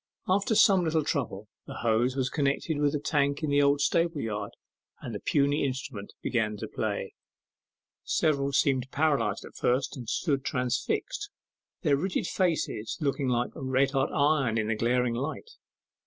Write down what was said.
After some little trouble the hose was connected with a tank in the old stable yard, and the puny instrument began to play. Several seemed paralyzed at first, and stood transfixed, their rigid faces looking like red hot iron in the glaring light.